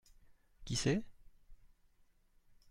Qui c’est ?